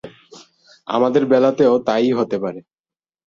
আমাদের বেলাতেও তা-ই হতে পারে।